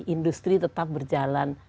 industri tetap berjalan